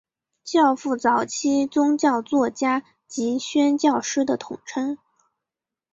教父早期宗教作家及宣教师的统称。